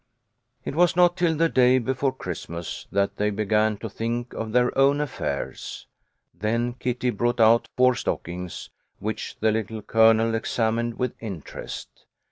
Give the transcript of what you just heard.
. It was not till the day before Christmas that they began to think of their own affairs. Then Kitty brought out four stockings, which the Little Colonel examined with interest.